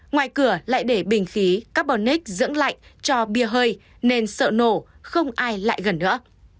ngoài cửa lại để bình khí carbonic dưỡng lạnh cho bia hơi nên sợ nổ không ai lại gần nữa